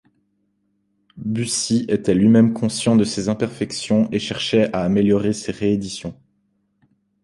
Bussi était lui-même conscient de ces imperfections et cherchait à améliorer ses rééditions.